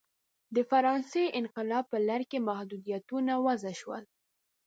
د فرانسې انقلاب په لړ کې محدودیتونه وضع شول.